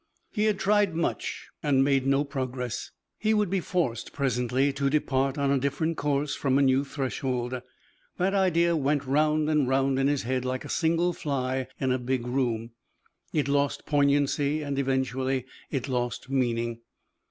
He had tried much and made no progress. He would be forced presently to depart on a different course from a new threshold. That idea went round and round in his head like a single fly in a big room. It lost poignancy and eventually it lost meaning.